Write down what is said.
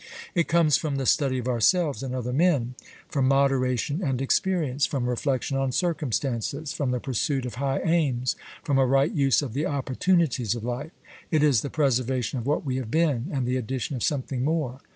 It comes from the study of ourselves and other men: from moderation and experience: from reflection on circumstances: from the pursuit of high aims: from a right use of the opportunities of life. It is the preservation of what we have been, and the addition of something more.